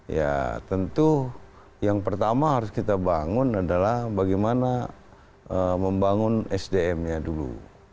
ya tentu yang pertama harus kita bangun adalah bagaimana membangun sdm nya dulu